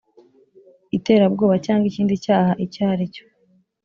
iterabwoba cyangwa ikindi cyaha icyo aricyo